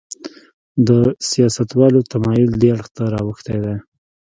د سیاستوالو تمایل دې اړخ ته راوښتی دی.